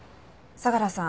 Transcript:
相良さん